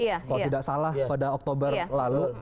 kalau tidak salah pada oktober lalu